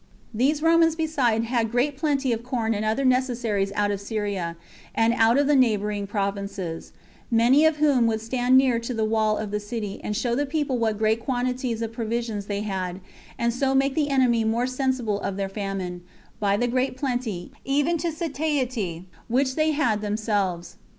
These Romans besides had great plenty of corn and other necessaries out of Syria, and out of the neighboring provinces; many of whom would stand near to the wall of the city, and show the people what great quantities of provisions they had, and so make the enemy more sensible of their famine, by the great plenty, even to satiety, which they had themselves.